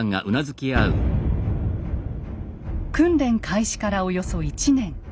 訓練開始からおよそ１年。